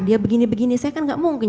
dia begini begini saya kan gak mungkin